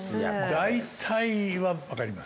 大体はわかります。